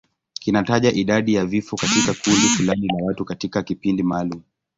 Kinataja idadi ya vifo katika kundi fulani la watu katika kipindi maalum.